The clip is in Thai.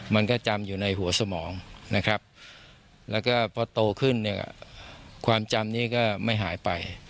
มันก็จำอยู่ในหัวสมองนะครับแล้วก็พอโตขึ้นเนี่ยความจำนี้ก็ไม่หายไป